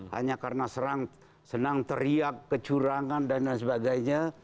hanya karena serang senang teriak kecurangan dan sebagainya